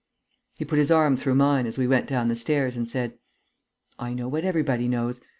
He put his arm through mine, as we went down the stairs, and said: "I know what everybody knows.